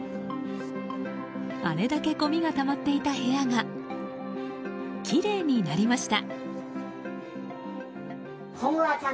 あれだけごみがたまっていた部屋がきれいになりました。